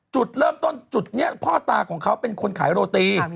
จุดเริ่มต้นจุดนี้พ่อตาของเขาเป็นคนขายโรตี